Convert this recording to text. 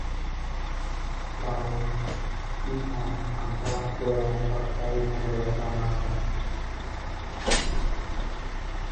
কারণ, ইহার আগাগোড়া সবটাই ভালবাসা-মাখা।